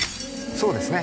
そうですね